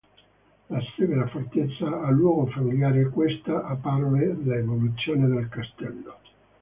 Da severa fortezza a luogo familiare: questa apparve l'evoluzione del castello.